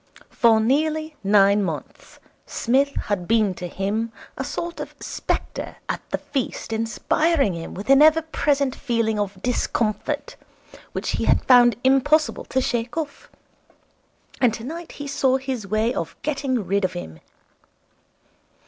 For nearly nine months Psmith had been to him a sort of spectre at the feast inspiring him with an ever present feeling of discomfort which he had found impossible to shake off. And tonight he saw his way of getting rid of him.